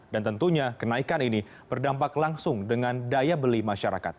dan tentunya kenaikan ini berdampak langsung dengan daya beli masyarakat